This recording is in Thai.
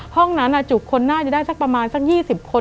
ห้องนั้นจุกคนน่าจะได้สักประมาณสัก๒๐คน